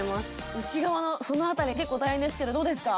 内側のそのあたり結構大変ですけどどうですか？